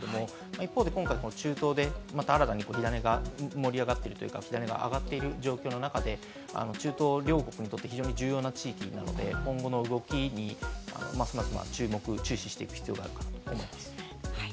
一方、今回、中東でまた新たに火種が盛り上がっている状況の中で、中東両国にとって非常に重要な地域なので、両国の動きにますます注視していく必要があるなと思います。